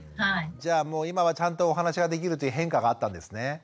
じゃあもう今はちゃんとお話ができるという変化があったんですね。